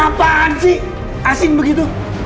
ini apaan sih asin begitu